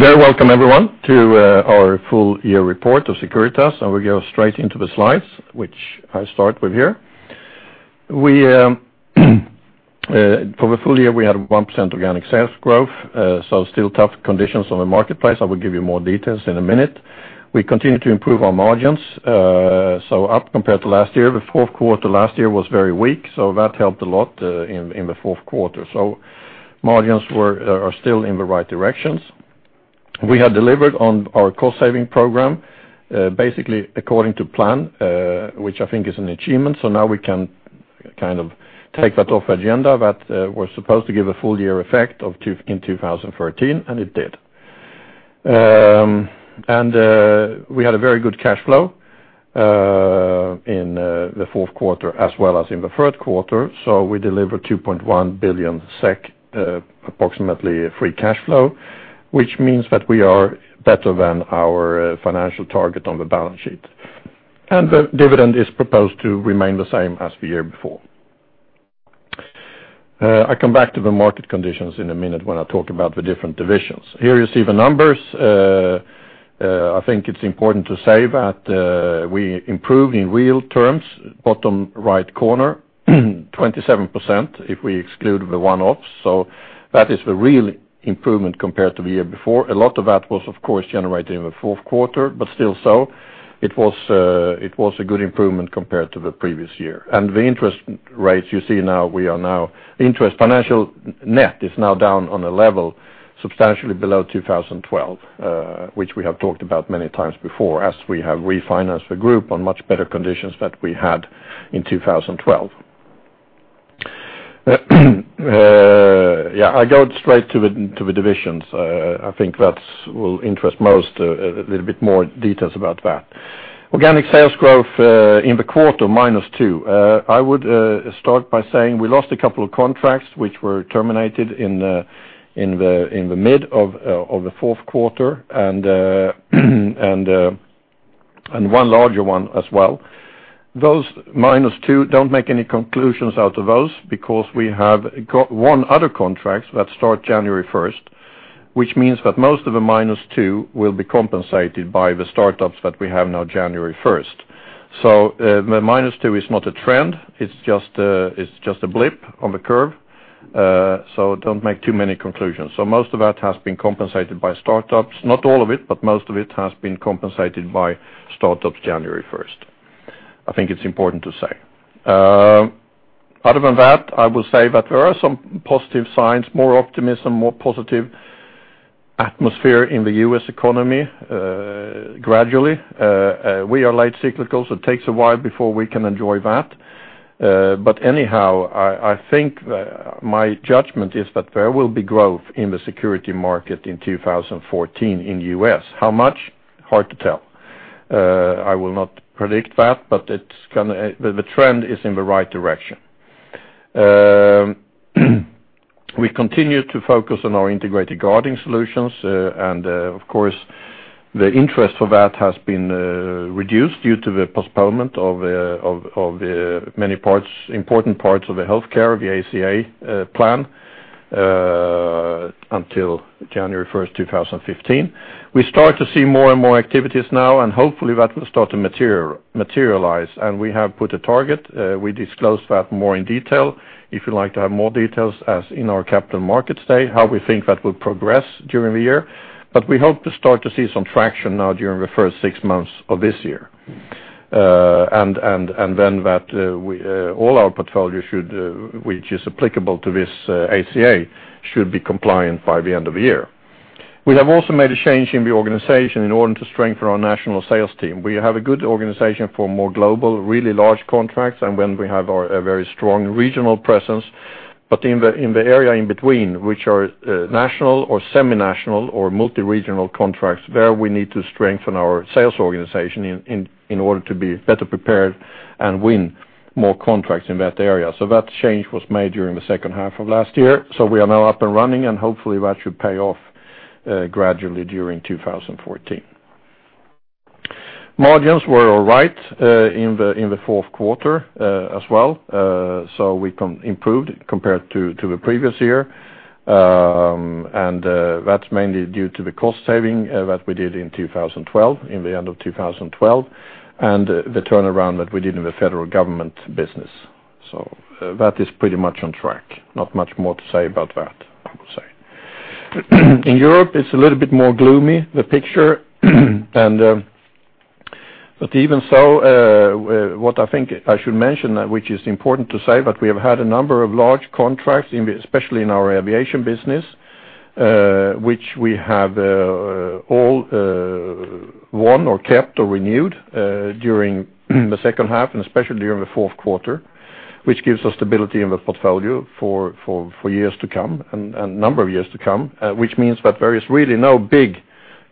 Very welcome, everyone, to our full year report of Securitas, and we'll go straight into the slides, which I'll start with here. We for the full year had 1% organic sales growth, so still tough conditions on the marketplace. I will give you more details in a minute. We continue to improve our margins, so up compared to last year. The fourth quarter last year was very weak, so that helped a lot in the fourth quarter. So margins are still in the right directions. We had delivered on our cost-saving program, basically according to plan, which I think is an achievement. So now we can kind of take that off agenda that we're supposed to give a full year effect of 2 in 2013, and it did. And we had a very good cash flow in the fourth quarter as well as in the third quarter. So we delivered 2.1 billion SEK, approximately free cash flow, which means that we are better than our financial target on the balance sheet. And the dividend is proposed to remain the same as the year before. I come back to the market conditions in a minute when I talk about the different divisions. Here you see the numbers. I think it's important to say that we improved in real terms, bottom right corner, 27% if we exclude the one-offs. So that is the real improvement compared to the year before. A lot of that was, of course, generated in the fourth quarter, but still so, it was, it was a good improvement compared to the previous year. The interest rates you see now, we are now interest financial net is now down on a level substantially below 2012, which we have talked about many times before, as we have refinanced the group on much better conditions than we had in 2012. Yeah, I go straight to the divisions. I think that will interest most, a little bit more details about that. Organic sales growth in the quarter, -2%. I would start by saying we lost a couple of contracts which were terminated in the midst of the fourth quarter and one larger one as well. Those -2% don't make any conclusions out of those because we have got one other contract that starts January 1st, which means that most of the -2% will be compensated by the startups that we have now January 1st. So, the -2 is not a trend. It's just, it's just a blip on the curve. So don't make too many conclusions. So most of that has been compensated by startups. Not all of it, but most of it has been compensated by startups January 1st. I think it's important to say. Other than that, I will say that there are some positive signs, more optimism, more positive atmosphere in the U.S. economy, gradually. We are late cyclical, so it takes a while before we can enjoy that. But anyhow, I, I think that my judgment is that there will be growth in the security market in 2014 in the U.S. How much? Hard to tell. I will not predict that, but it's kinda the trend is in the right direction. We continue to focus on our Integrated Guarding Solutions, and, of course, the interest for that has been reduced due to the postponement of many important parts of the healthcare, the ACA, plan, until January 1st, 2015. We start to see more and more activities now, and hopefully that will start to materialize. We have put a target. We disclosed that more in detail if you'd like to have more details as in our Capital Markets Day, how we think that will progress during the year. We hope to start to see some traction now during the first six months of this year. And then that all our portfolios should, which is applicable to this ACA, should be compliant by the end of the year. We have also made a change in the organization in order to strengthen our national sales team. We have a good organization for more global, really large contracts and when we have our very strong regional presence. But in the area in between, which are national or semi-national or multi-regional contracts, there we need to strengthen our sales organization in order to be better prepared and win more contracts in that area. So that change was made during the second half of last year. So we are now up and running, and hopefully that should pay off gradually during 2014. Margins were all right in the fourth quarter, as well. So we improved compared to the previous year, and that's mainly due to the cost saving that we did in 2012, in the end of 2012, and the turnaround that we did in the federal government business. So that is pretty much on track. Not much more to say about that, I would say. In Europe, it's a little bit more gloomy, the picture. But even so, what I think I should mention, which is important to say, that we have had a number of large contracts in the especially in our Aviation business, which we have, all, won or kept or renewed, during the second half and especially during the fourth quarter, which gives us stability in the portfolio for, for, for years to come and, and number of years to come, which means that there is really no big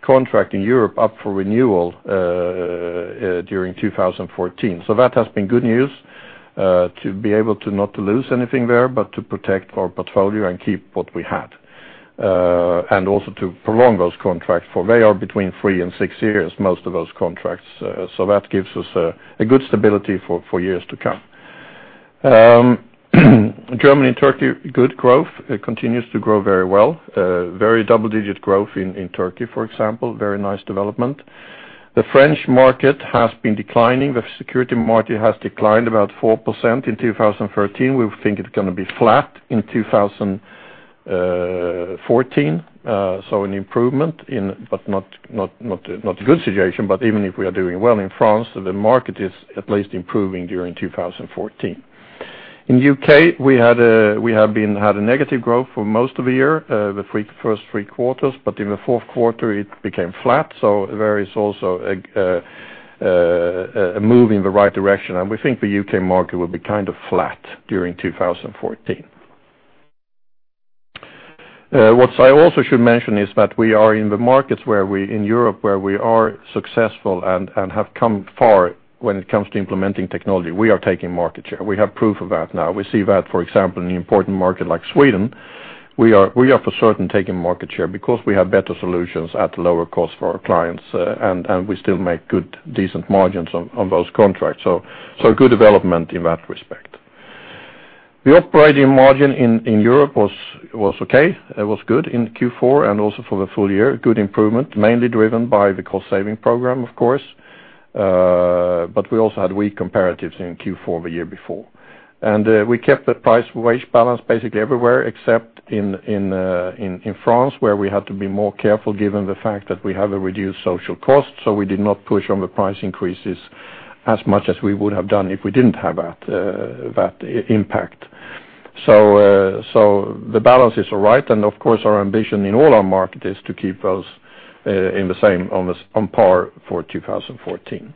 contract in Europe up for renewal, during 2014. So that has been good news, to be able to not to lose anything there but to protect our portfolio and keep what we had, and also to prolong those contracts for they are between 3 and 6 years, most of those contracts. So that gives us a good stability for years to come. Germany and Turkey, good growth. It continues to grow very well. Very double-digit growth in Turkey, for example. Very nice development. The French market has been declining. The security market has declined about 4% in 2013. We think it's gonna be flat in 2014, so an improvement, but not, not, not, not a good situation. But even if we are doing well in France, the market is at least improving during 2014. In the U.K., we have had a negative growth for most of the year, the first three quarters. But in the fourth quarter, it became flat. So there is also a move in the right direction. And we think the U.K. market will be kind of flat during 2014. What I also should mention is that we are in the markets where we in Europe, where we are successful and have come far when it comes to implementing technology, we are taking market share. We have proof of that now. We see that, for example, in an important market like Sweden, we are for certain taking market share because we have better solutions at lower costs for our clients, and we still make good, decent margins on those contracts. So good development in that respect. The operating margin in Europe was okay. It was good in Q4 and also for the full year. Good improvement, mainly driven by the cost-saving program, of course. But we also had weak comparatives in Q4 the year before. We kept the price-wage balance basically everywhere except in France where we had to be more careful given the fact that we have a reduced social cost. So we did not push on the price increases as much as we would have done if we didn't have that impact. So the balance is all right. And of course, our ambition in all our markets is to keep those in the same on par for 2014.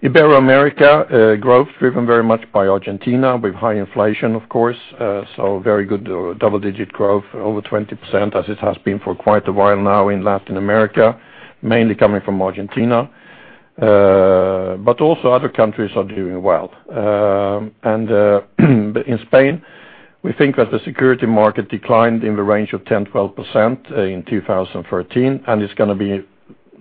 In Ibero-America, growth driven very much by Argentina with high inflation, of course. So very good double-digit growth, over 20% as it has been for quite a while now in Latin America, mainly coming from Argentina. But also other countries are doing well. In Spain, we think that the security market declined in the range of 10%-12% in 2013, and it's gonna be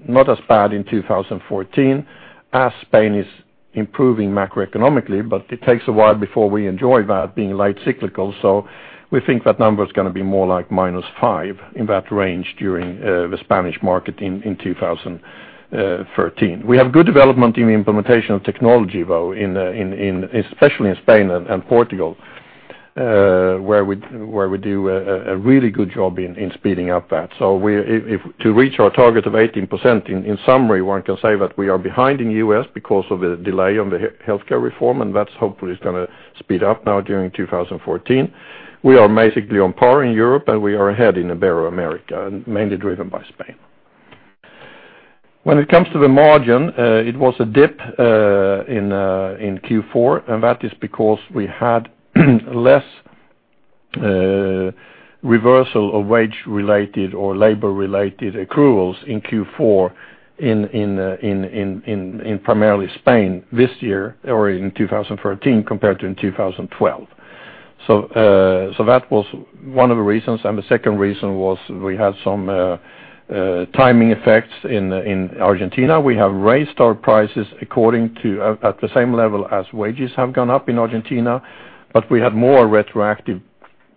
not as bad in 2014 as Spain is improving macroeconomically. But it takes a while before we enjoy that being late cyclical. So we think that number's gonna be more like minus 5% in that range during the Spanish market in 2013. We have good development in the implementation of technology, though, especially in Spain and Portugal, where we do a really good job in speeding up that. So, to reach our target of 18%, in summary, one can say that we are behind in the U.S. because of the delay on the healthcare reform, and that hopefully is gonna speed up now during 2014. We are basically on par in Europe, and we are ahead in Ibero-America, mainly driven by Spain. When it comes to the margin, it was a dip in Q4, and that is because we had less reversal of wage-related or labor-related accruals in Q4 in primarily Spain this year or in 2013 compared to in 2012. So that was one of the reasons. And the second reason was we had some timing effects in Argentina. We have raised our prices according to at the same level as wages have gone up in Argentina, but we had more retroactive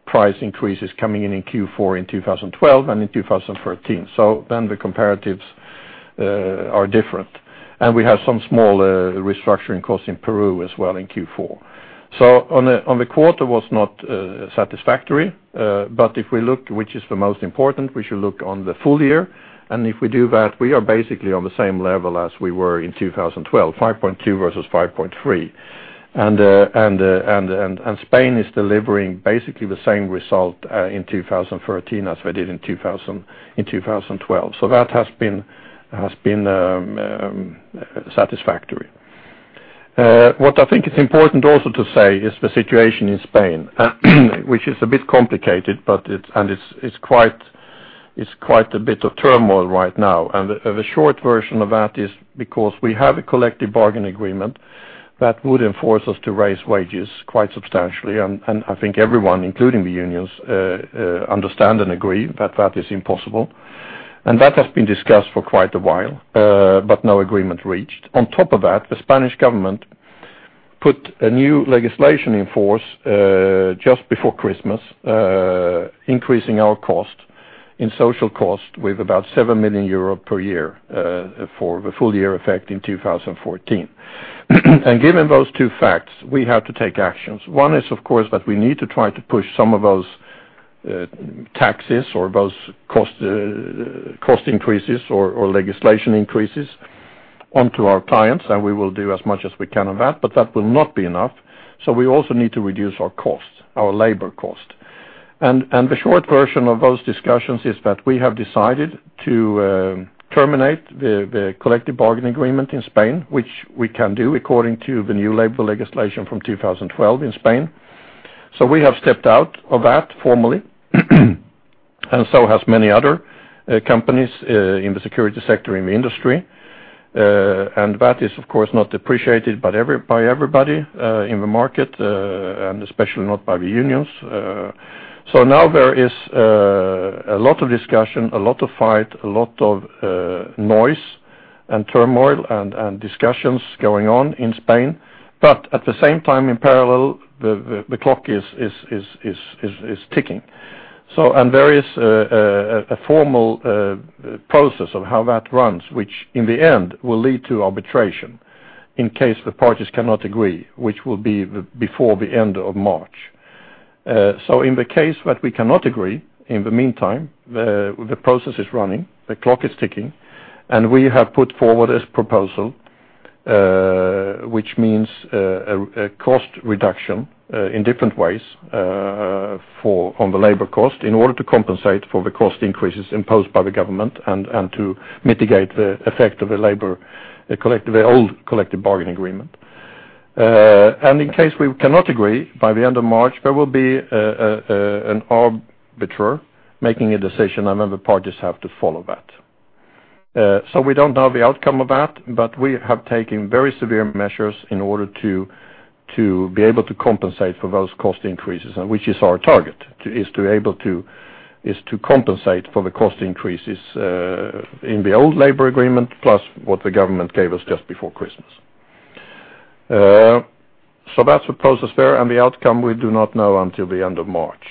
price increases coming in in Q4 in 2012 and in 2013. So then the comparatives are different. And we have some small restructuring costs in Peru as well in Q4. So on the quarter was not satisfactory. But if we look, which is the most important, we should look on the full year. And if we do that, we are basically on the same level as we were in 2012, 5.2 versus 5.3. And Spain is delivering basically the same result in 2013 as they did in 2012. So that has been satisfactory. What I think is important also to say is the situation in Spain, which is a bit complicated, but it's quite a bit of turmoil right now. And the short version of that is because we have a collective bargaining agreement that would enforce us to raise wages quite substantially. And I think everyone, including the unions, understand and agree that that is impossible. And that has been discussed for quite a while, but no agreement reached. On top of that, the Spanish government put a new legislation in force, just before Christmas, increasing our cost in social cost with about 7 million euro per year, for the full-year effect in 2014. Given those two facts, we have to take actions. One is, of course, that we need to try to push some of those, taxes or those cost, cost increases or, or legislation increases onto our clients. We will do as much as we can on that, but that will not be enough. We also need to reduce our cost, our labor cost. The short version of those discussions is that we have decided to, terminate the, the collective bargaining agreement in Spain, which we can do according to the new labor legislation from 2012 in Spain. So we have stepped out of that formally, and so have many other companies in the security sector in the industry. And that is, of course, not appreciated by everybody in the market, and especially not by the unions. So now there is a lot of discussion, a lot of fight, a lot of noise and turmoil and discussions going on in Spain. But at the same time, in parallel, the clock is ticking. So there is a formal process of how that runs, which in the end will lead to arbitration in case the parties cannot agree, which will be before the end of March. So in the case that we cannot agree, in the meantime, the process is running. The clock is ticking. And we have put forward a proposal, which means a cost reduction in different ways for the labor cost in order to compensate for the cost increases imposed by the government and to mitigate the effect of the old collective bargaining agreement. And in case we cannot agree by the end of March, there will be an arbitrator making a decision, and then the parties have to follow that. So we don't know the outcome of that, but we have taken very severe measures in order to be able to compensate for those cost increases, which is our target, to be able to compensate for the cost increases in the old labor agreement plus what the government gave us just before Christmas. So that's the process there. The outcome, we do not know until the end of March,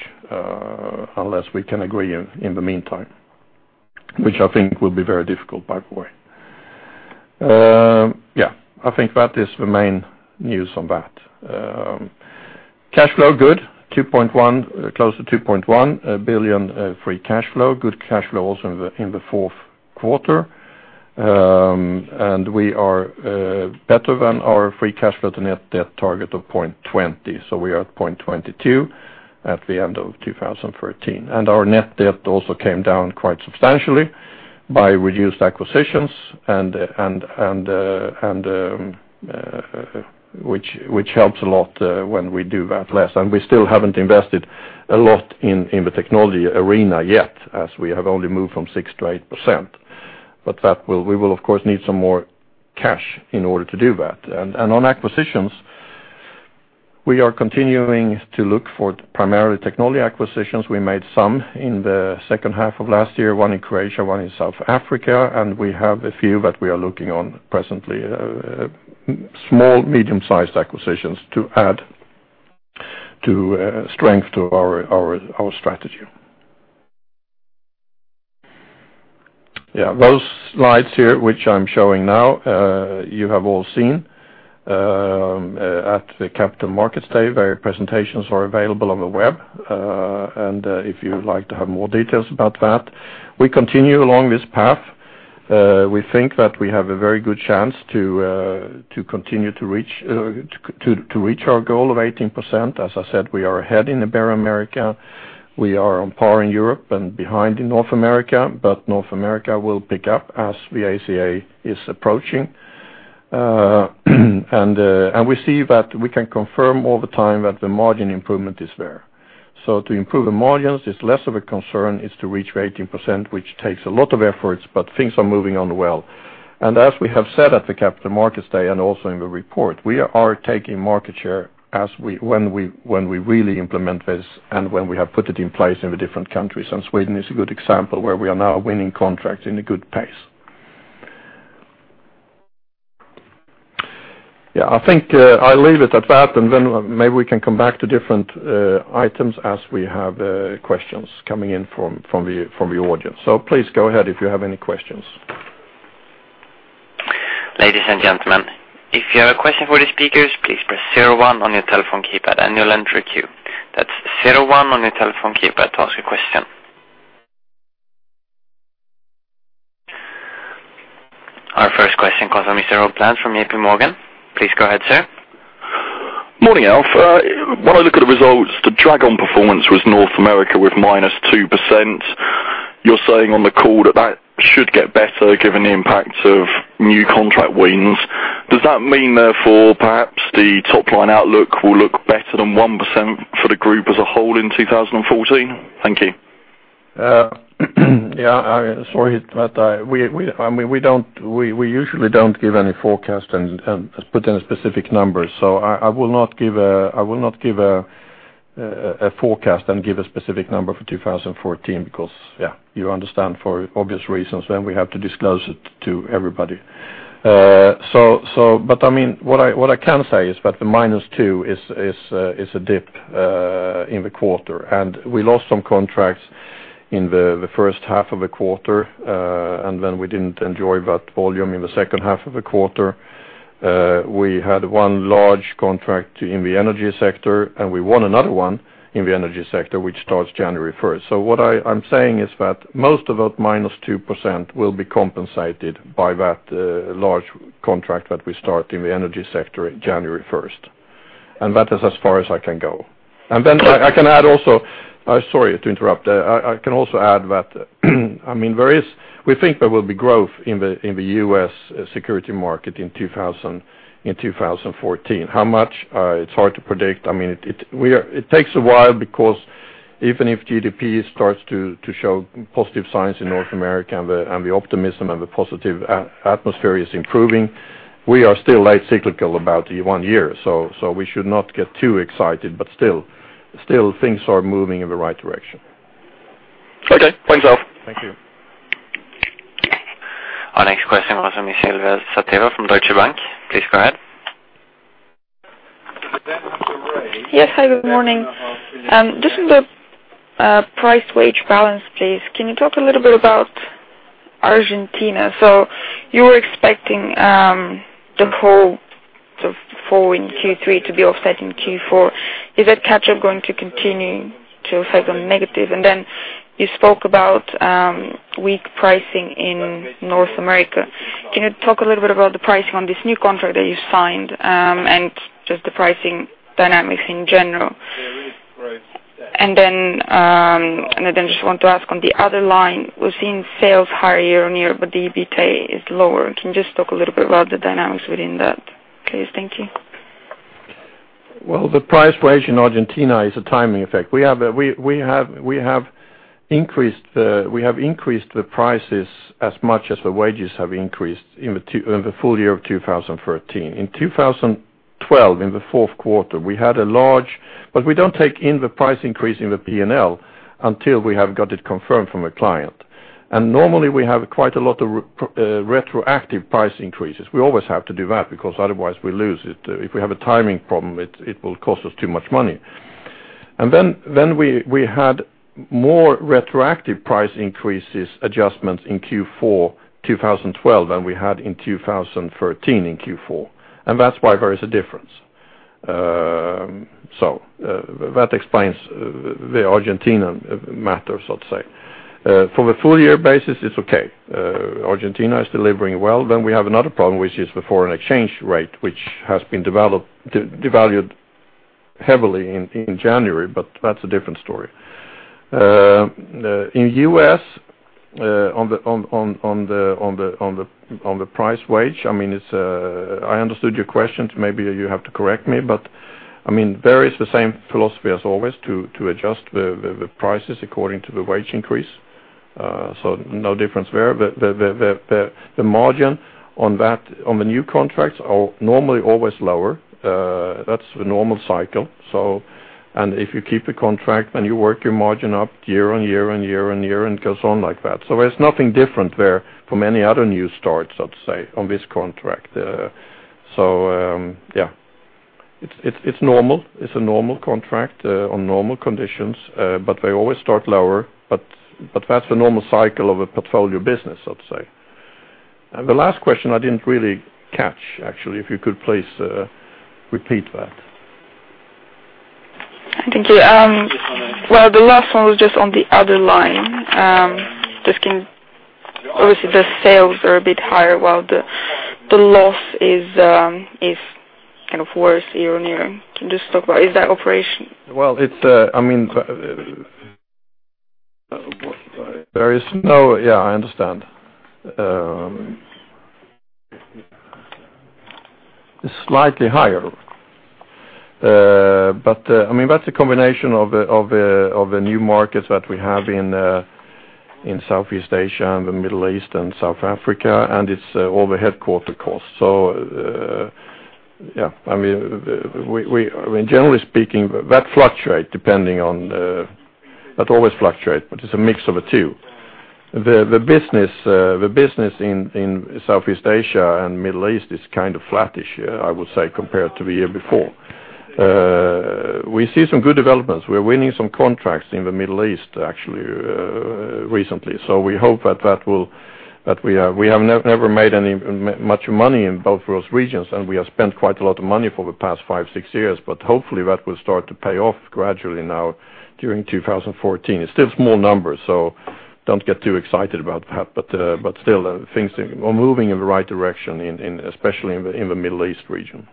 unless we can agree in the meantime, which I think will be very difficult, by the way. Yeah. I think that is the main news on that. Cash flow good, 2.1 billion, close to 2.1 billion free cash flow, good cash flow also in the fourth quarter. And we are better than our free cash flow to net debt target of 0.20. So we are at 0.22 at the end of 2013. And our net debt also came down quite substantially by reduced acquisitions, which helps a lot when we do that less. And we still haven't invested a lot in the technology arena yet as we have only moved from 6%-8%. But that will we will, of course, need some more cash in order to do that. And, and on acquisitions, we are continuing to look for primarily technology acquisitions. We made some in the second half of last year, one in Croatia, one in South Africa. And we have a few that we are looking on presently, small, medium-sized acquisitions to add to, strength to our, our, our strategy. Yeah. Those slides here, which I'm showing now, you have all seen, at the Capital Markets Day. Their presentations are available on the web. And, if you'd like to have more details about that, we continue along this path. We think that we have a very good chance to, to continue to reach to, to reach our goal of 18%. As I said, we are ahead in Ibero-America. We are on par in Europe and behind in North America, but North America will pick up as the ACA is approaching, and we see that we can confirm all the time that the margin improvement is there. So to improve the margins, it's less of a concern. It's to reach 18%, which takes a lot of efforts, but things are moving on well. And as we have said at the Capital Markets Day and also in the report, we are taking market share as we really implement this and when we have put it in place in the different countries. And Sweden is a good example where we are now winning contracts in a good pace. Yeah. I think, I'll leave it at that. And then maybe we can come back to different items as we have questions coming in from the audience. So please go ahead if you have any questions. Ladies and gentlemen, if you have a question for the speakers, please press 01 on your telephone keypad and you'll enter a queue. That's 01 on your telephone keypad. Ask a question. Our first question comes from Mr. Robert Plant from J.P. Morgan. Please go ahead, sir. Morning, Alf. When I look at the results, the drag on performance was North America with -2%. You're saying on the call that that should get better given the impact of new contract wins. Does that mean, therefore, perhaps the top-line outlook will look better than 1% for the group as a whole in 2014? Thank you. Yeah. I'm sorry, I mean, we usually don't give any forecast and put in specific numbers. So I will not give a forecast and give a specific number for 2014 because, yeah, you understand, for obvious reasons, then we have to disclose it to everybody. So but I mean, what I can say is that the -2 is a dip in the quarter. And we lost some contracts in the first half of the quarter, and then we didn't enjoy that volume in the second half of the quarter. We had one large contract in the energy sector, and we won another one in the energy sector, which starts January 1st. So what I'm saying is that most of that -2% will be compensated by that large contract that we start in the energy sector January 1st. And that is as far as I can go. And then I can add also, I'm sorry to interrupt. I can also add that, I mean, we think there will be growth in the U.S. security market in 2014. How much, it's hard to predict. I mean, it takes a while because even if GDP starts to show positive signs in North America and the optimism and the positive atmosphere is improving, we are still late cyclical about one year. So we should not get too excited, but still things are moving in the right direction. Okay. Thanks, Alf. Thank you. Our next question was from Michael Vasiljevic from Deutsche Bank. Please go ahead. Yes. Hi. Good morning. Just on the price-wage balance, please, can you talk a little bit about Argentina? So you were expecting the whole sort of fall in Q3 to be offset in Q4. Is that catch-up going to continue to affect on negative? And then you spoke about weak pricing in North America. Can you talk a little bit about the pricing on this new contract that you signed, and just the pricing dynamics in general? And then I just want to ask on the other line, we're seeing sales higher year-on-year, but the EBITDA is lower. Can you just talk a little bit about the dynamics within that, please? Thank you. Well, the price-wage in Argentina is a timing effect. We have increased the prices as much as the wages have increased in 2012 in the full year of 2013. In 2012, in the fourth quarter, we had a large but we don't take in the price increase in the P&L until we have got it confirmed from a client. And normally, we have quite a lot of retroactive price increases. We always have to do that because otherwise, we lose it. If we have a timing problem, it will cost us too much money. And then we had more retroactive price increases adjustments in Q4 2012 than we had in 2013 in Q4. And that's why there is a difference. So, that explains the Argentina matter, so to say. For the full-year basis, it's okay. Argentina is delivering well. Then we have another problem, which is the foreign exchange rate, which has been devalued heavily in January, but that's a different story. In the U.S., on the price-wage, I mean, it's, I understood your question. Maybe you have to correct me. But I mean, there is the same philosophy as always to adjust the prices according to the wage increase. So no difference there. The margin on the new contracts are normally always lower. That's the normal cycle. So and if you keep a contract, then you work your margin up year on year on year on year and goes on like that. So there's nothing different there from any other new start, so to say, on this contract. So, yeah. It's normal. It's a normal contract, on normal conditions, but they always start lower. But that's the normal cycle of a portfolio business, so to say. And the last question, I didn't really catch, actually, if you could please repeat that. Thank you. Well, the last one was just on the other line. Just can obviously, the sales are a bit higher, while the loss is kind of worse year on year. Can you just talk about is that operation? Well, it's, I mean, there is no yeah. I understand. It's slightly higher. But, I mean, that's a combination of the new markets that we have in Southeast Asia and the Middle East and South Africa. And it's all the headquarters costs. So, yeah. I mean, generally speaking, that fluctuates depending on, that always fluctuates, but it's a mix of the two. The business in Southeast Asia and Middle East is kind of flattish, I would say, compared to the year before. We see some good developments. We're winning some contracts in the Middle East, actually, recently. So we hope that will that we have never made much money in both of those regions, and we have spent quite a lot of money for the past five, six years. But hopefully, that will start to pay off gradually now during 2014. It's still small numbers, so don't get too excited about that. But still, things are moving in the right direction, especially in the Middle East region.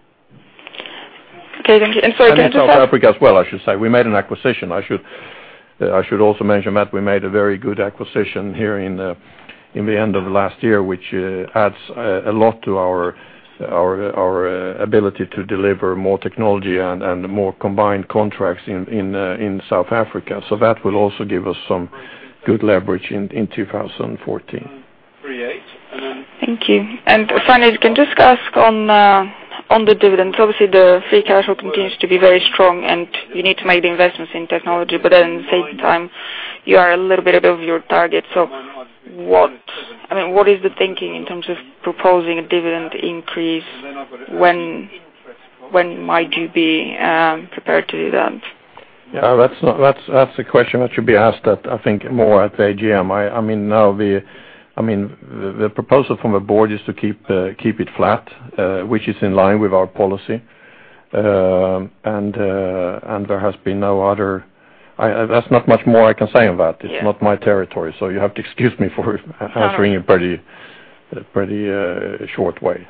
Okay. Thank you. And sorry, can you just add? And South Africa as well, I should say. We made an acquisition. I should also mention that we made a very good acquisition here in the end of last year, which adds a lot to our ability to deliver more technology and more combined contracts in South Africa. So that will also give us some good leverage in 2014. Thank you. And finally, can you just ask on the dividends? Obviously, the Free Cash Flow continues to be very strong, and you need to make the investments in technology. But then at the same time, you are a little bit above your target. So what is the thinking in terms of proposing a dividend increase when might you be prepared to do that? Yeah. That's not, that's the question that should be asked, I think, more at the AGM. I mean, now the, the proposal from the board is to keep it flat, which is in line with our policy. And there has been no other. That's not much more I can say on that. It's not my territory. So you have to excuse me for answering in a pretty short way.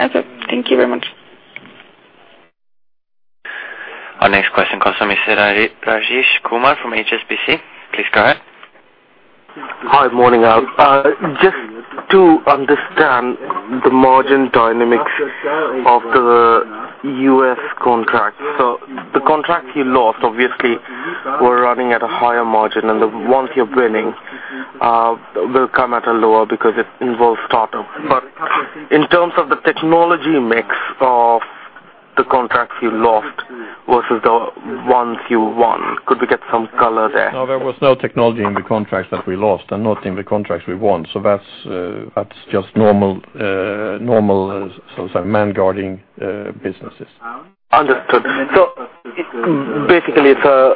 Okay. Thank you very much. Our next question comes from Mr. Rajesh Kumar from HSBC. Please go ahead. Hi. Good morning, Alf. Just to understand the margin dynamics of the U.S. contracts. So the contracts you lost, obviously, were running at a higher margin, and the ones you're winning will come at a lower because it involves startup. But in terms of the technology mix of the contracts you lost versus the ones you won, could we get some color there? No. There was no technology in the contracts that we lost and not in the contracts we won. So that's just normal, so to say, man-guarding businesses. Understood. So basically, it's a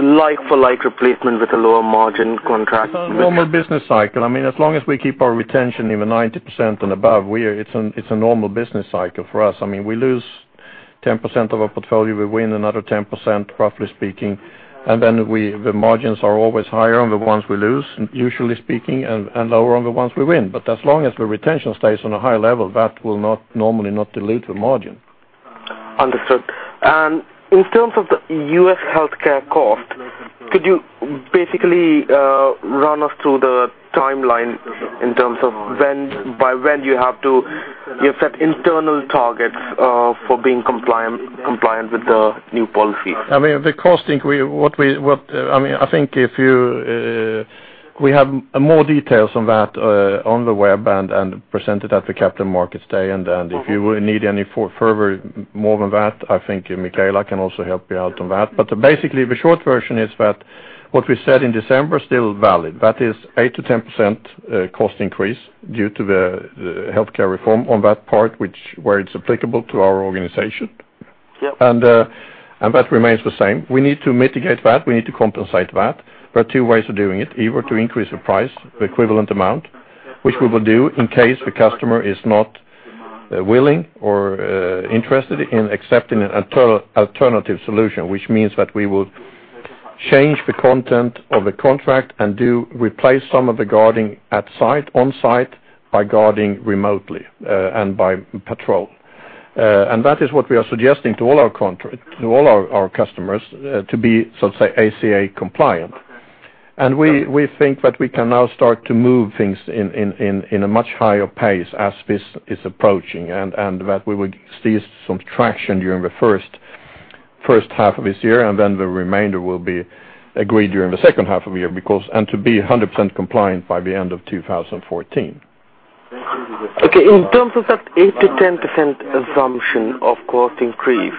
like-for-like replacement with a lower margin contract with. Normal business cycle. I mean, as long as we keep our retention in the 90% and above, it's a normal business cycle for us. I mean, we lose 10% of our portfolio. We win another 10%, roughly speaking. And then the margins are always higher on the ones we lose, usually speaking, and lower on the ones we win. But as long as the retention stays on a high level, that will normally not dilute the margin. Understood. And in terms of the U.S. healthcare cost, could you basically run us through the timeline in terms of when by when you have to you have set internal targets for being compliant compliant with the new policies? I mean, the cost increase what we what I mean, I think if you, we have more details on that, on the web and present it at the Capital Markets Day. And if you need any further more than that, I think Micaela can also help you out on that. But basically, the short version is that what we said in December is still valid. That is 8%-10% cost increase due to the healthcare reform on that part, which where it's applicable to our organization. And that remains the same. We need to mitigate that. We need to compensate that. There are two ways of doing it, either to increase the price, the equivalent amount, which we will do in case the customer is not willing or interested in accepting an alternative solution, which means that we will change the content of the contract and do replace some of the guarding on site by guarding remotely, and by patrol. And that is what we are suggesting to all our customers, to be, so to say, ACA compliant. And we think that we can now start to move things in a much higher pace as this is approaching and that we will seize some traction during the first half of this year. And then the remainder will be agreed during the second half of the year because, and to be 100% compliant by the end of 2014. Okay. In terms of that 8%-10% assumption of cost increase,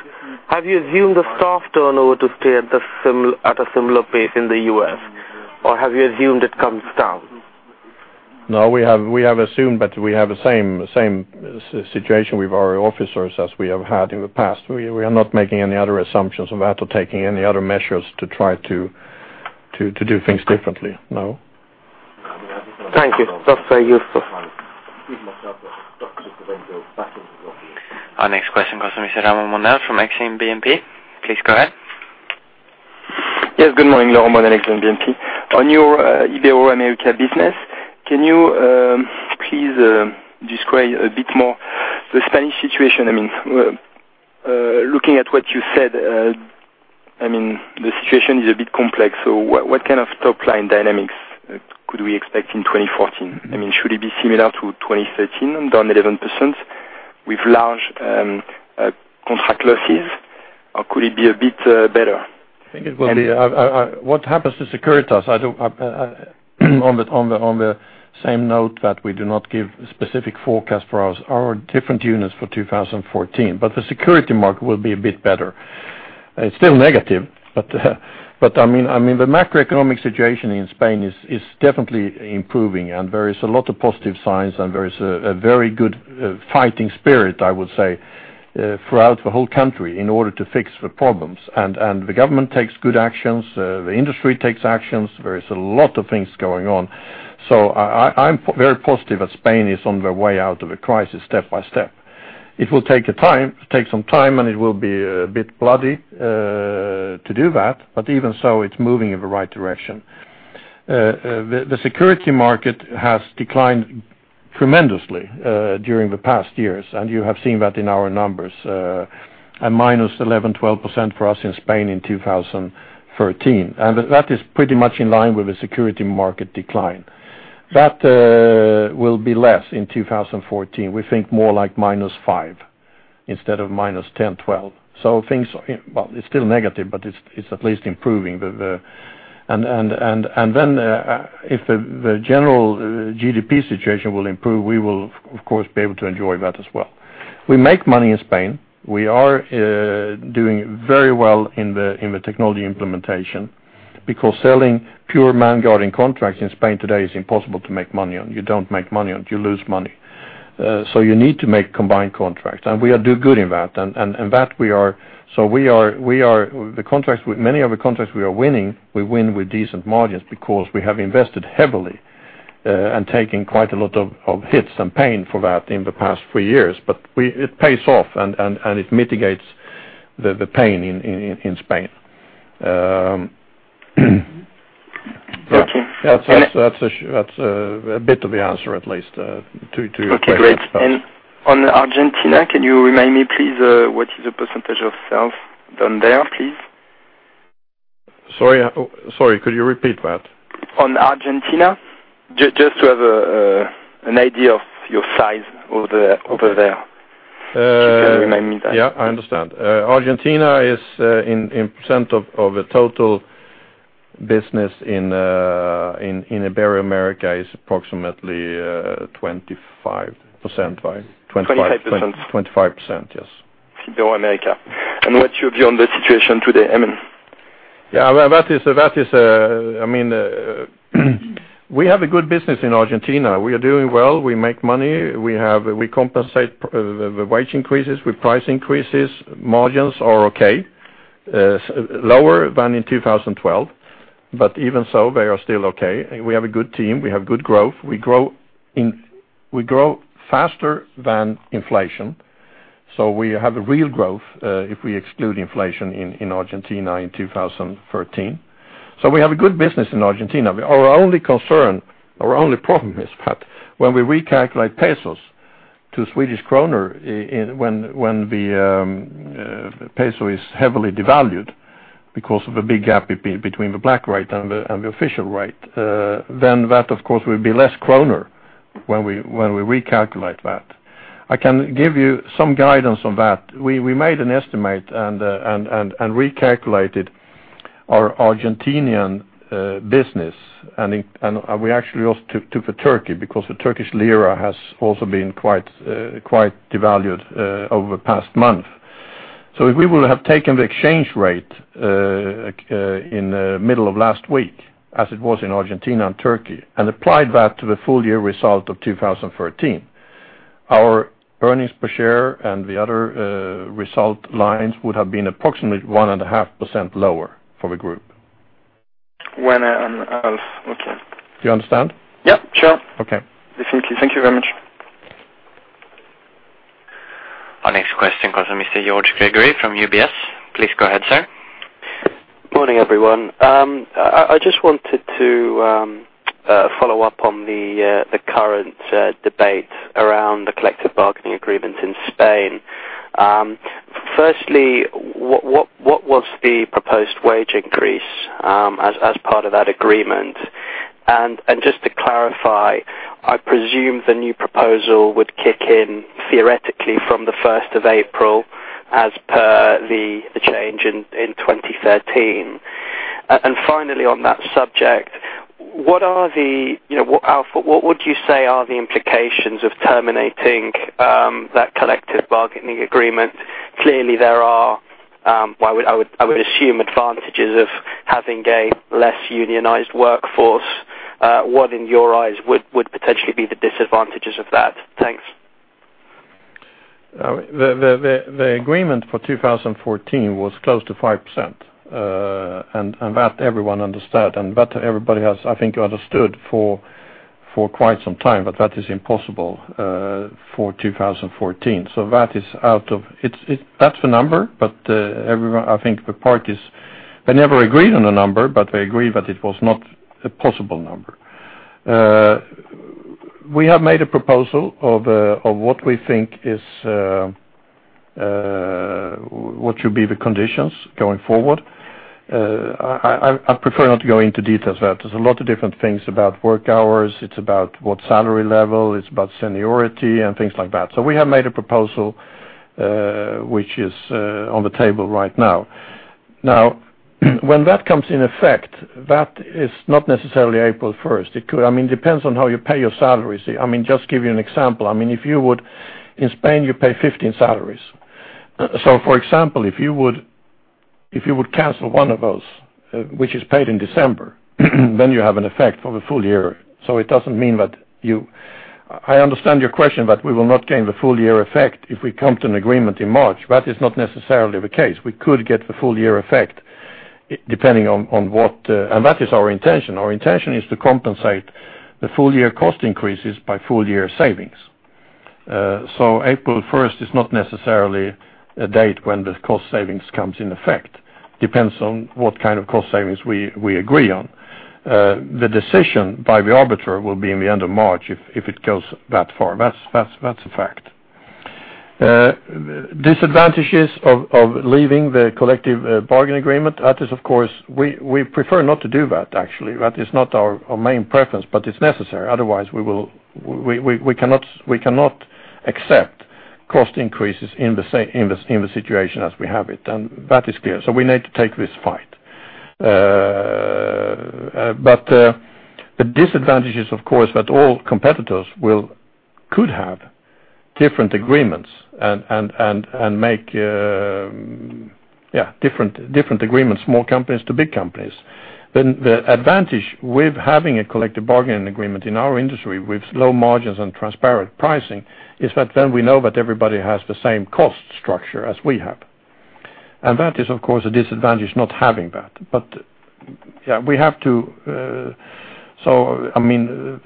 have you assumed the staff turnover to stay at a similar pace in the U.S., or have you assumed it comes down? No. We have assumed that we have the same situation with our officers as we have had in the past. We are not making any other assumptions of that or taking any other measures to try to do things differently. No. Thank you. That's very useful. Our next question comes from Mr. Laurent Monet from Exane BNP Paribas. Please go ahead. Yes. Good morning, Laurent Monet at Exane BNP Paribas. On your Ibero-America business, can you please describe a bit more the Spanish situation? I mean, looking at what you said, I mean, the situation is a bit complex. So what kind of top-line dynamics could we expect in 2014? I mean, should it be similar to 2013, down 11% with large contract losses, or could it be a bit better? I think it will be. And what happens to Securitas? I don't. I, on the same note that we do not give specific forecasts for our different units for 2014. But the security market will be a bit better. It's still negative, but I mean, the macroeconomic situation in Spain is definitely improving. And there is a lot of positive signs, and there is a very good fighting spirit, I would say, throughout the whole country in order to fix the problems. And the government takes good actions. The industry takes actions. There is a lot of things going on. So I'm very positive that Spain is on the way out of a crisis step by step. It will take some time, and it will be a bit bloody to do that. But even so, it's moving in the right direction. The security market has declined tremendously during the past years. And you have seen that in our numbers, a minus 11%-12% for us in Spain in 2013. And that is pretty much in line with the security market decline. That will be less in 2014. We think more like minus 5% instead of minus 10%-12%. So, well, it's still negative, but it's at least improving. And then, if the general GDP situation will improve, we will, of course, be able to enjoy that as well. We make money in Spain. We are doing very well in the technology implementation because selling pure man-guarding contracts in Spain today is impossible to make money on. You don't make money on it. You lose money. So you need to make combined contracts. And we are doing good in that. And that we are the contracts with many of the contracts we are winning, we win with decent margins because we have invested heavily, and taken quite a lot of hits and pain for that in the past three years. But it pays off, and it mitigates the pain in Spain. But that's a bit of the answer, at least, to your question. Okay. Great. And on Argentina, can you remind me, please, what is the percentage of sales done there, please? Sorry. Sorry. Could you repeat that? On Argentina? Just to have an idea of your size over there. If you can remind me that. Yeah. I understand. Argentina is in percent of the total business in Ibero-America approximately 25%, right? Yes. Ibero-America. And what's your view on the situation today, Amin? Yeah. That is, I mean, we have a good business in Argentina. We are doing well. We make money. We compensate the wage increases. We price increases. Margins are okay, lower than in 2012. But even so, they are still okay. We have a good team. We have good growth. We grow faster than inflation. So we have real growth, if we exclude inflation in Argentina in 2013. So we have a good business in Argentina. Our only concern, our only problem, is that when we recalculate pesos to Swedish kronor, when the peso is heavily devalued because of a big gap between the black rate and the official rate, then that, of course, will be less kronor when we recalculate that. I can give you some guidance on that. We made an estimate and recalculated our Argentine business. And we actually also took Turkey because the Turkish lira has also been quite devalued over the past month. So if we would have taken the exchange rate, in the middle of last week as it was in Argentina and Turkey and applied that to the full-year result of 2013, our earnings per share and the other result lines would have been approximately 1.5% lower for the group. When Alf okay. Do you understand? Yep. Sure. Okay. Definitely. Thank you very much. Our next question comes from Mr. George Gregory from UBS. Please go ahead, sir. Good morning, everyone. I just wanted to follow up on the current debate around the collective bargaining agreement in Spain. Firstly, what was the proposed wage increase as part of that agreement? Just to clarify, I presume the new proposal would kick in theoretically from the 1st of April as per the change in 2013. Finally, on that subject, what are, you know, Alf, what would you say are the implications of terminating that Collective Bargaining Agreement? Clearly, there are, well, I would assume advantages of having a less unionized workforce. What, in your eyes, would potentially be the disadvantages of that? Thanks. The agreement for 2014 was close to 5%. And that everyone understands. And that everybody has, I think you understood for quite some time, that that is impossible for 2014. So that is out. It's, that's a number. But, everyone, I think the parties, they never agreed on a number, but they agree that it was not a possible number. We have made a proposal of what we think is what should be the conditions going forward. I prefer not to go into details about it. There's a lot of different things about work hours. It's about what salary level. It's about seniority and things like that. So we have made a proposal, which is on the table right now. Now, when that comes in effect, that is not necessarily April 1st. It could, I mean, it depends on how you pay your salaries. I mean, just to give you an example, I mean, if you would in Spain, you pay 15 salaries. So, for example, if you would cancel one of those, which is paid in December, then you have an effect for the full year. So it doesn't mean that. I understand your question, but we will not gain the full-year effect if we come to an agreement in March. That is not necessarily the case. We could get the full-year effect, depending on what, and that is our intention. Our intention is to compensate the full-year cost increases by full-year savings. So April 1st is not necessarily a date when the cost savings comes in effect. Depends on what kind of cost savings we agree on. The decision by the arbitrator will be in the end of March if it goes that far. That's a fact. Disadvantages of leaving the collective bargaining agreement, that is, of course we prefer not to do that, actually. That is not our main preference. But it's necessary. Otherwise, we will, we cannot accept cost increases in Spain in the situation as we have it. And that is clear. So we need to take this fight. but the disadvantage is, of course, that all competitors could have different agreements and make different agreements, small companies to big companies. Then the advantage with having a collective bargaining agreement in our industry with low margins and transparent pricing is that then we know that everybody has the same cost structure as we have. And that is, of course, a disadvantage not having that. But yeah, we have to, so I mean,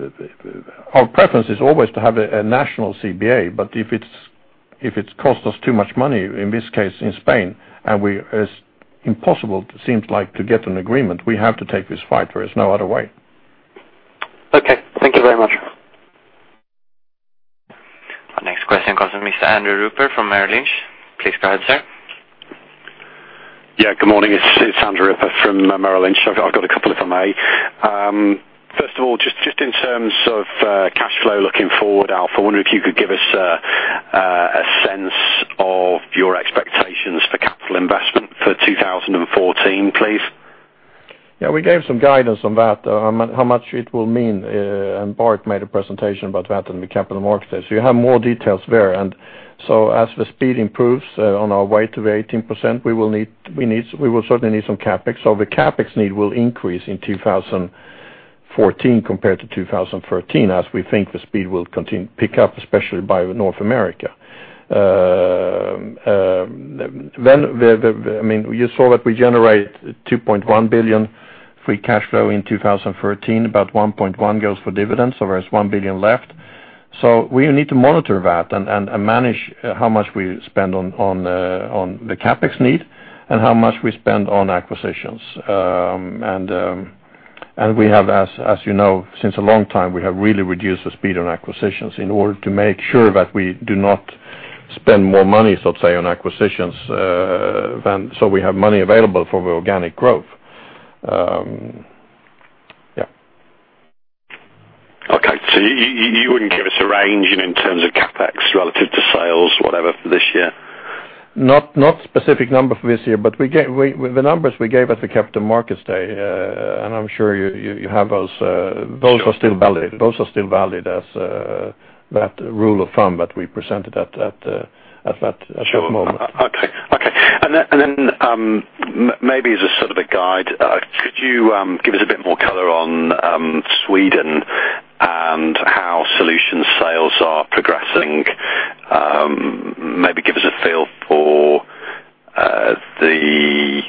our preference is always to have a national CBA. But if it costs us too much money, in this case, in Spain, and it's impossible, it seems like, to get an agreement, we have to take this fight. There is no other way. Okay. Thank you very much. Our next question comes from Mr. Andrew Ripper from Merrill Lynch. Please go ahead, sir. Yeah. Good morning. It's Andrew Ripper from Merrill Lynch. I've got a couple if I may. First of all, just in terms of cash flow looking forward, Alf, I wonder if you could give us a sense of your expectations for capital investment for 2014, please. Yeah. We gave some guidance on that, on how much it will mean, and Bart made a presentation about that and the capital markets. So you have more details there. And so as the speed improves, on our way to the 18%, we will certainly need some CapEx. So the CapEx need will increase in 2014 compared to 2013 as we think the speed will continue pick up, especially by North America. Then, I mean, you saw that we generate 2.1 billion free cash flow in 2013. About 1.1 billion goes for dividends. So there's 1 billion left. So we need to monitor that and manage how much we spend on the CapEx need and how much we spend on acquisitions. And we have, as you know, since a long time, we have really reduced the speed on acquisitions in order to make sure that we do not spend more money, so to say, on acquisitions, than so we have money available for the organic growth. Yeah. Okay. So you wouldn't give us a range in terms of CapEx relative to sales, whatever, for this year? Not specific number for this year. But we gave the numbers we gave at the Capital Markets Day, and I'm sure you have those; those are still valid. Those are still valid as that rule of thumb that we presented at that moment. Sure. Okay. Okay. And then, maybe as a sort of a guide, could you give us a bit more color on Sweden and how solution sales are progressing? Maybe give us a feel for the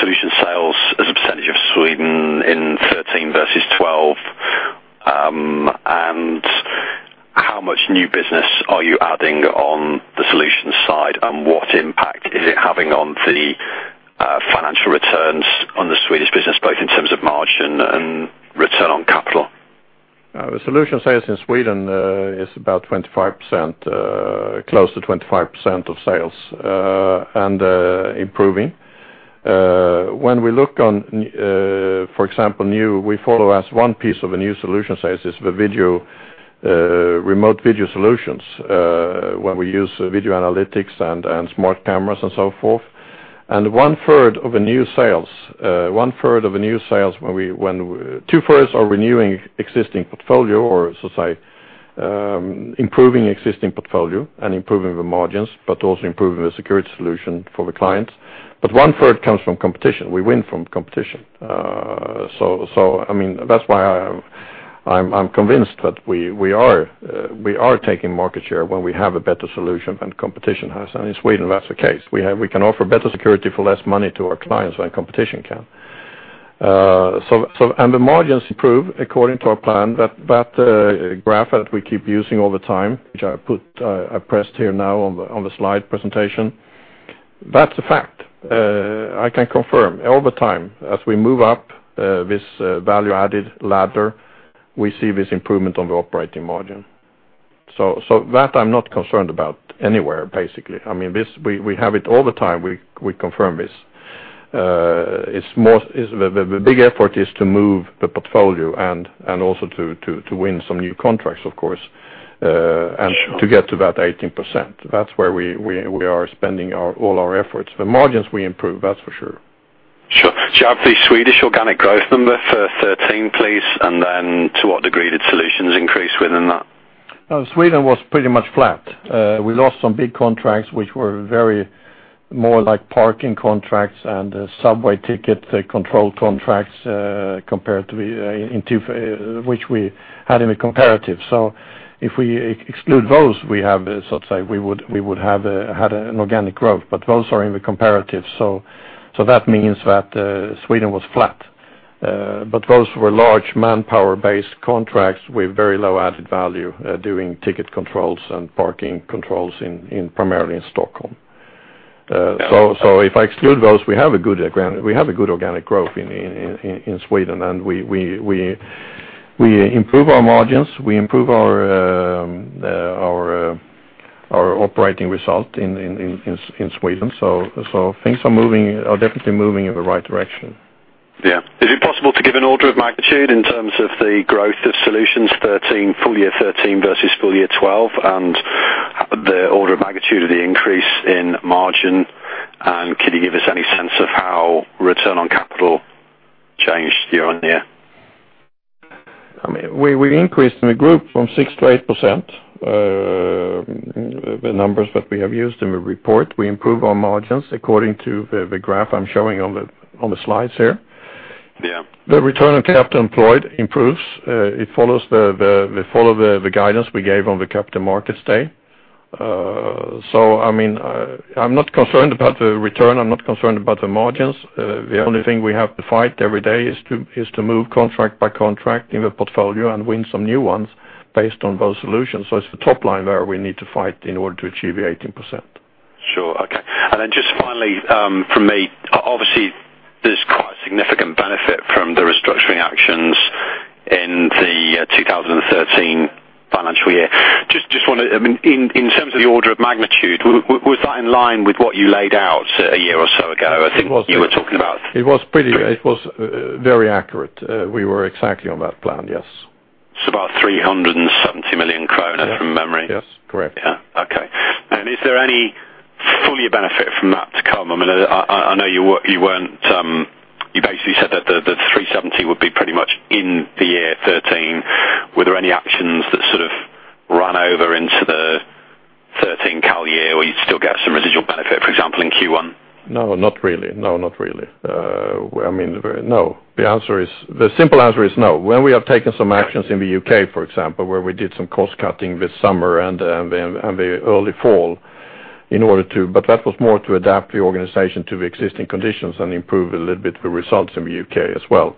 solution sales as a percentage of Sweden in 2013 versus 2012, and how much new business are you adding on the solution side, and what impact is it having on the financial returns on the Swedish business, both in terms of margin and return on capital? The solution sales in Sweden is about 25%, close to 25% of sales, and improving. When we look on, for example, new we follow as one piece of a new solution sales is the video, remote video solutions, when we use video analytics and smart cameras and so forth. And 1/3 of new sales when two thirds are renewing existing portfolio or, so to say, improving existing portfolio and improving the margins but also improving the security solution for the clients. But 1/3 comes from competition. We win from competition. So, I mean, that's why I'm convinced that we are taking market share when we have a better solution than competition has. And in Sweden, that's the case. We can offer better security for less money to our clients than competition can. So and the margins improve according to our plan. That graph that we keep using all the time, which I pressed here now on the slide presentation, that's a fact. I can confirm. Over time, as we move up this value-added ladder, we see this improvement on the operating margin. So that I'm not concerned about anywhere, basically. I mean, this we have it all the time. We confirm this. It's more the big effort is to move the portfolio and also to win some new contracts, of course, and to get to that 18%. That's where we are spending all our efforts. The margins, we improve. That's for sure. Sure. Shall I have the Swedish organic growth number for 2013, please? And then to what degree did solutions increase within that? Oh, Sweden was pretty much flat. We lost some big contracts, which were more like parking contracts and subway ticket control contracts, compared to what we had in 2012 which we had in the comparative. So if we exclude those, we have, so to say, we would have had an organic growth. But those are in the comparative. So that means that Sweden was flat. But those were large manpower-based contracts with very low added value, doing ticket controls and parking controls in primarily in Stockholm. So if I exclude those, we have a good organic growth in Sweden. And we improve our margins. We improve our operating result in Sweden. So things are moving definitely in the right direction. Yeah. Is it possible to give an order of magnitude in terms of the growth of solutions 2013, full year 2013 versus full year 2012, and the order of magnitude of the increase in margin? Can you give us any sense of how return on capital changed year-over-year? I mean, we increased in the group from 6%-8%, the numbers that we have used in the report. We improve our margins according to the graph I'm showing on the slides here. Yeah. The return on capital employed improves. It follows the guidance we gave on the Capital Markets Day. So, I mean, I'm not concerned about the return. I'm not concerned about the margins. The only thing we have to fight every day is to move contract by contract in the portfolio and win some new ones based on those solutions. So it's the top line there we need to fight in order to achieve the 18%. Sure. Okay. And then just finally, from me, obviously, there's quite a significant benefit from the restructuring actions in the 2013 financial year. Just want to I mean, in terms of the order of magnitude, was that in line with what you laid out a year or so ago? I think you were talking about. It was pretty it was, very accurate. We were exactly on that plan. Yes. It's about 370 million kronor, from memory. Yes. Yes. Correct. Yeah. Okay. And is there any full year benefit from that to come? I mean, I know you weren't, you basically said that the 370 would be pretty much in the year 2013. Were there any actions that sort of ran over into the 2013 calendar year where you'd still get some residual benefit, for example, in Q1? No, not really. No, not really. I mean, very no. The answer is the simple answer is no. When we have taken some actions in the U.K., for example, where we did some cost-cutting this summer and the early fall in order to but that was more to adapt the organization to the existing conditions and improve a little bit the results in the U.K. as well.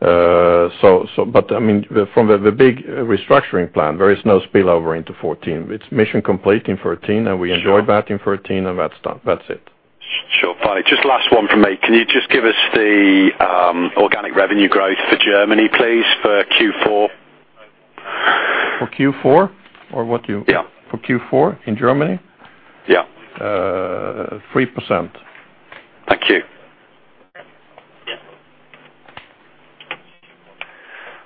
So but, I mean, from the big restructuring plan, there is no spillover into 2014. It's mission complete in 2013, and we enjoyed that in 2013, and that's done. That's it. Sure. Finally, just last one from me. Can you just give us the organic revenue growth for Germany, please, for Q4? For Q4 or what you? Yeah. For Q4 in Germany? Yeah. 3%. Thank you.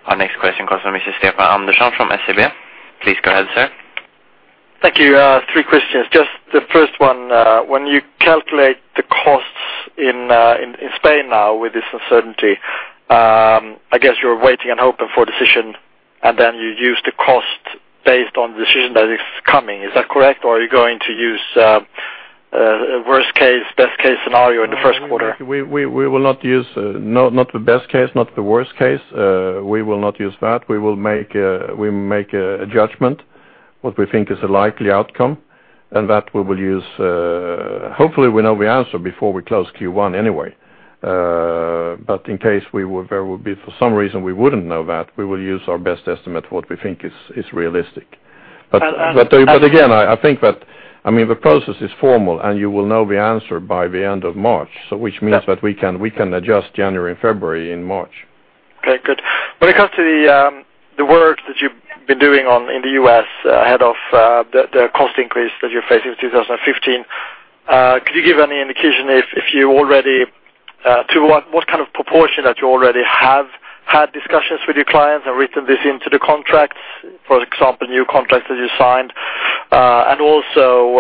Our next question comes from Mr. Stefan Andersson from SEB. Please go ahead, sir. Thank you. Three questions. Just the first one, when you calculate the costs in Spain now with this uncertainty, I guess you're waiting and hoping for a decision, and then you use the cost based on the decision that is coming. Is that correct? Or are you going to use worst case, best case scenario in the first quarter? We will not use the best case, not the worst case. We will not use that. We will make a judgment, what we think is a likely outcome, and that we will use. Hopefully, we know the answer before we close Q1 anyway. But in case there would be for some reason, we wouldn't know that. We will use our best estimate, what we think is realistic. But again, I think that I mean, the process is formal, and you will know the answer by the end of March, so which means that we can adjust January and February in March. Okay. Good. When it comes to the work that you've been doing in the U.S. ahead of the cost increase that you're facing in 2015, could you give any indication if you already to what kind of proportion that you already have had discussions with your clients and written this into the contracts, for example, new contracts that you signed, and also,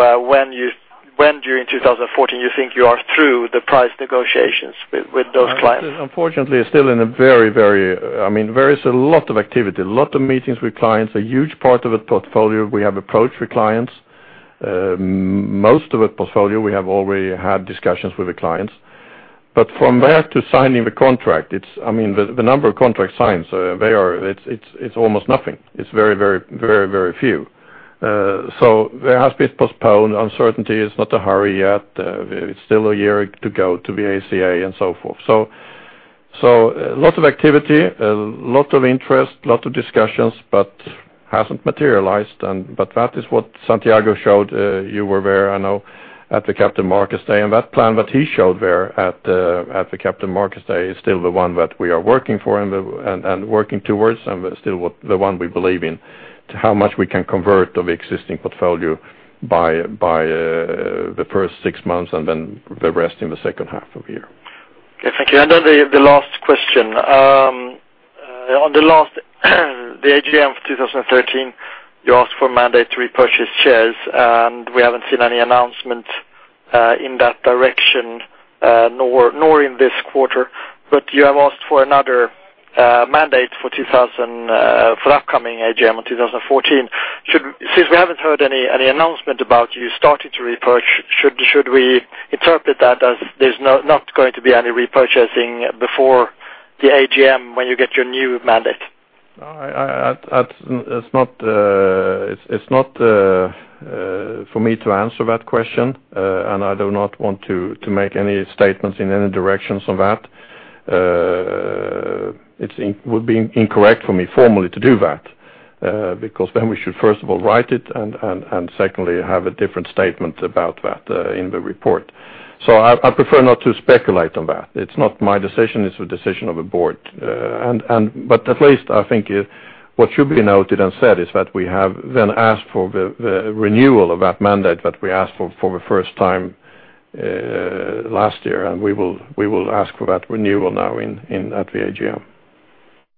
when during 2014 you think you are through the price negotiations with those clients? Unfortunately, still in a very, very I mean, there is a lot of activity, a lot of meetings with clients, a huge part of the portfolio. We have approached the clients. Most of the portfolio, we have already had discussions with the clients. But from there to signing the contract, it's I mean, the number of contracts signed, so they are it's almost nothing. It's very, very, very, very few. So there has been postponed uncertainty. It's not a hurry yet. It's still a year to go to the ACA and so forth. So, lots of activity, lots of interest, lots of discussions, but hasn't materialized. But that is what Santiago showed, you were there, I know, at the Capital Markets Day. That plan that he showed there at the Capital Markets Day is still the one that we are working for and working towards and still the one we believe in, how much we can convert of existing portfolio by the first six months and then the rest in the second half of the year. Okay. Thank you. And then the last question. At the last AGM for 2013, you asked for a mandate to repurchase shares, and we haven't seen any announcement in that direction, nor in this quarter. But you have asked for another mandate for 2000 for the upcoming AGM in 2014. Since we haven't heard any announcement about you starting to repurchase, should we interpret that as there's no not going to be any repurchasing before the AGM when you get your new mandate? No, that's not, it's not for me to answer that question. I do not want to make any statements in any directions on that. It would be incorrect for me formally to do that, because then we should first of all write it and secondly have a different statement about that in the report. So I prefer not to speculate on that. It's not my decision. It's a decision of a board. But at least I think what should be noted and said is that we have then asked for the renewal of that mandate that we asked for for the first time last year. We will ask for that renewal now in at the AGM.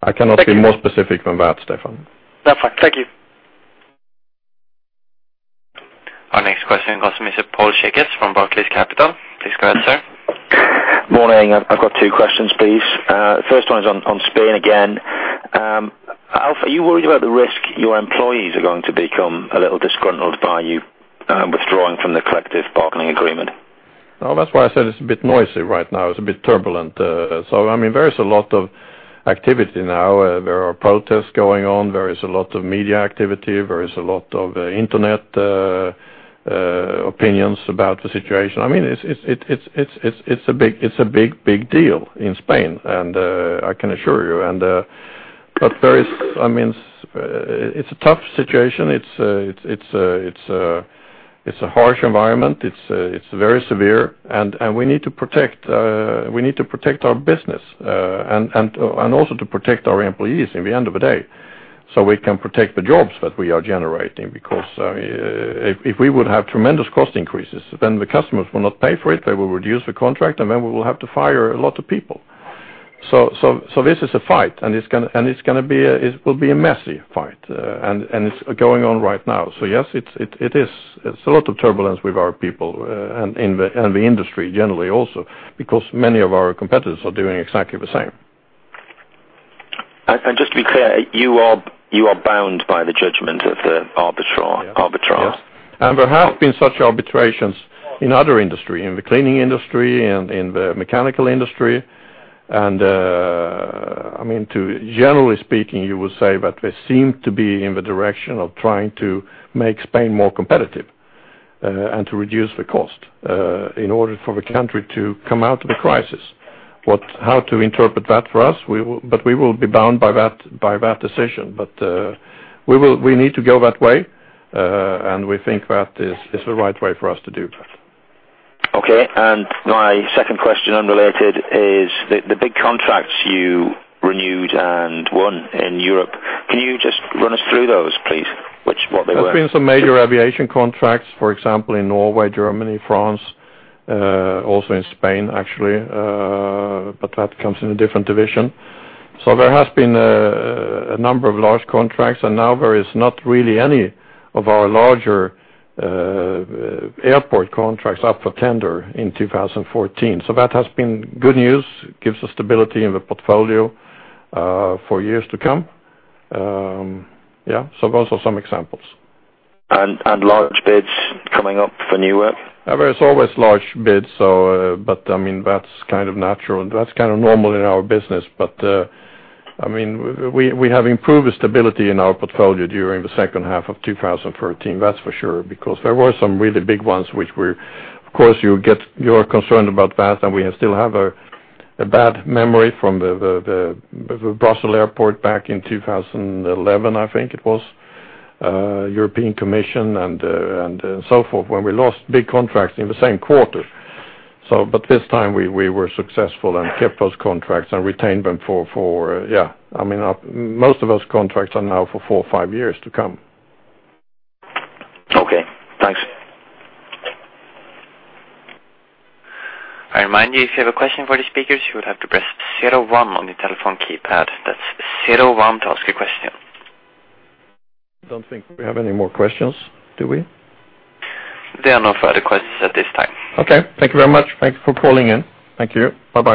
I cannot be more specific than that, Stefan. That's fine. Thank you. Our next question comes from Mr. Paul Checketts from Barclays Capital. Please go ahead, sir. Morning. I've got two questions, please. First one is on Spain again. Alf, are you worried about the risk your employees are going to become a little disgruntled by you withdrawing from the collective bargaining agreement? Oh, that's why I said it's a bit noisy right now. It's a bit turbulent. So, I mean, there is a lot of activity now. There are protests going on. There is a lot of media activity. There is a lot of internet opinions about the situation. I mean, it's a big, big deal in Spain, and I can assure you. But there is, I mean, it's a tough situation. It's a harsh environment. It's very severe. We need to protect our business, and also to protect our employees at the end of the day so we can protect the jobs that we are generating because if we would have tremendous cost increases, then the customers will not pay for it. They will reduce the contract, and then we will have to fire a lot of people. So this is a fight, and it's going to be a messy fight, and it's going on right now. So yes, it is a lot of turbulence with our people, and in the industry generally also because many of our competitors are doing exactly the same. And just to be clear, you are bound by the judgment of the arbitrator. Yes. And there have been such arbitrations in other industries, in the cleaning industry and in the mechanical industry. And, I mean, generally speaking, you would say that they seem to be in the direction of trying to make Spain more competitive, and to reduce the cost, in order for the country to come out of the crisis. What, how to interpret that for us, we will, but we will be bound by that decision. But, we need to go that way, and we think that is the right way for us to do that. Okay. And my second question, unrelated, is the big contracts you renewed and won in Europe. Can you just run us through those, please, what they were? There have been some major Aviation contracts, for example, in Norway, Germany, France, also in Spain, actually, but that comes in a different division. So there has been a number of large contracts. And now, there is not really any of our larger airport contracts up for tender in 2014. So that has been good news. It gives us stability in the portfolio, for years to come. Yeah. So those are some examples. And large bids coming up for new work? There is always large bids, so, but, I mean, that's kind of natural. That's kind of normal in our business. But, I mean, we have improved stability in our portfolio during the second half of 2013, that's for sure, because there were some really big ones which were of course, you get you are concerned about that, and we still have a bad memory from the Brussels Airport back in 2011, I think it was, European Commission and so forth when we lost big contracts in the same quarter. So but this time, we were successful and kept those contracts and retained them for yeah. I mean, most of those contracts are now for four, five years to come. Okay. Thanks. I remind you, if you have a question for the speakers, you would have to press 01 on the telephone keypad. That's 01 to ask a question. I don't think we have any more questions. Do we? There are no further questions at this time. Okay. Thank you very much. Thank you for calling in. Thank you. Bye-bye.